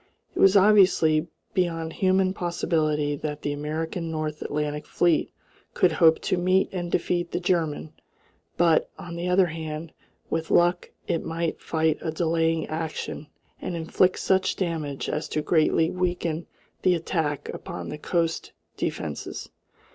It was obviously beyond human possibility that the American North Atlantic fleet could hope to meet and defeat the German; but, on the other hand, with luck it might fight a delaying action and inflict such damage as to greatly weaken the attack upon the coast defences.